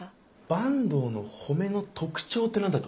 坂東の褒めの特徴って何だと思う？